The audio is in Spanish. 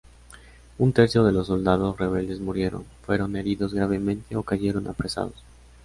Un tercio de los soldados rebeldes murieron, fueron heridos gravemente o cayeron apresados.